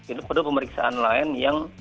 itu perlu pemeriksaan lain yang